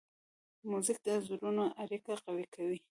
موزیک د زړونو اړیکه قوي کوي.